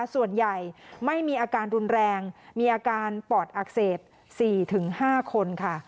ส่วนใหญ่ไม่มีอาการรุนแรงมีอาการปอดอักเสบ๔๕คนค่ะ